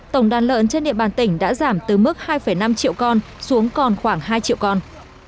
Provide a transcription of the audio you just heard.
tổng đàn lợn trên địa bàn tỉnh đã giảm từ mức hai năm triệu con xuống còn khoảng hai triệu con